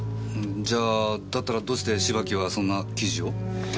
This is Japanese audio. じゃあだったらどうして芝木はそんな記事を？